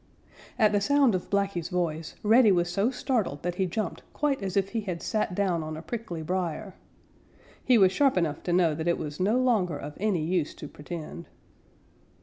At the sound of Blacky's voice, Reddy was so startled that he jumped quite as if he had sat down on a prickly briar. He was sharp enough to know that it was no longer of any use to pretend.